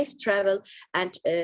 meski setelah pandemi berakhir